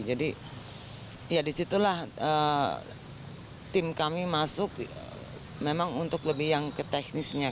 jadi ya disitulah tim kami masuk memang untuk lebih yang ke teknisnya